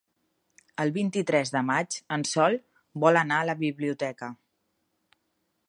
El vint-i-tres de maig en Sol vol anar a la biblioteca.